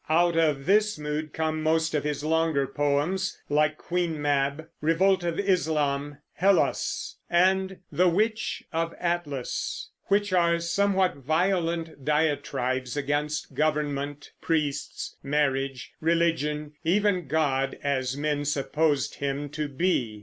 Out of this mood come most of his longer poems, like Queen Mab, Revolt of Islam, Hellas, and The Witch of Atlas, which are somewhat violent diatribes against government, priests, marriage, religion, even God as men supposed him to be.